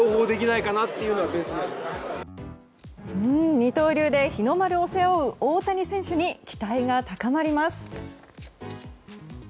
二刀流で日の丸を背負う大谷選手に期待が高まります。